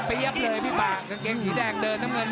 กันเกลียดแดงเดิน